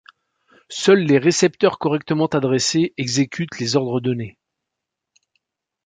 Seuls les récepteurs correctement adressés exécutent les ordres donnés.